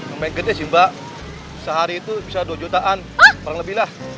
lumayan gede sih mbak sehari itu bisa dua jutaan kurang lebih lah